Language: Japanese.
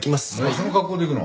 その格好で行くの？